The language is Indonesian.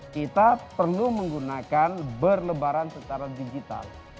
kita perlu menggunakan berlebaran secara digital